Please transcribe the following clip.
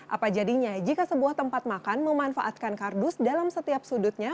apa jadinya jika sebuah tempat makan memanfaatkan kardus dalam setiap sudutnya